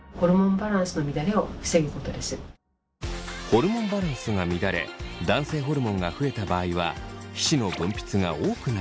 ホルモンバランスが乱れ男性ホルモンが増えた場合は皮脂の分泌が多くなります。